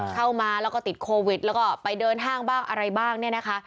เข้ามาแล้วก็ติดโควิดแล้วก็ไปเดินห้างบ้างอะไรบ้างเนี่ยนะคะ